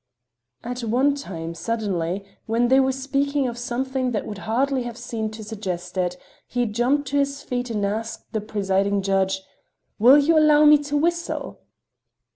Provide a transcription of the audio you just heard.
At one time, suddenly, when they were speaking of something that would hardly have seemed to suggest it, he jumped to his feet and asked the presiding judge: "Will you allow me to whistle?"